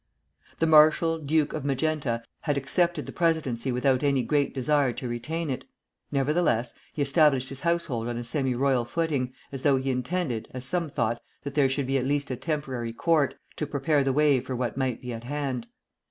The Marshal Duke of Magenta had accepted the presidency without any great desire to retain it; nevertheless, he established his household on a semi royal footing, as though he intended, as some thought, that there should be at least a temporary court, to prepare the way for what might be at hand.